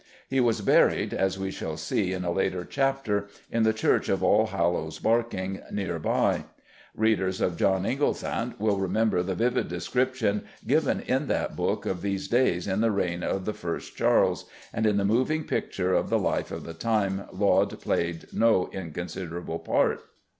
He was buried, as we shall see in a later chapter, in the church of Allhallows Barking, near by. Readers of John Inglesant will remember the vivid description given in that book of these days in the reign of the first Charles, and in the moving picture of the life of the time Laud played no inconsiderable part.